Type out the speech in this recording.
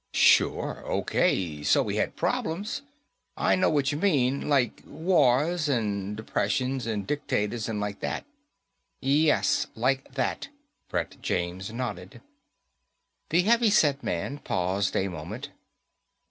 "Sure, O.K., so we had problems. I know whatcha mean like wars, and depressions and dictators and like that." "Yes, like that," Brett James nodded. The heavy set man paused a moment.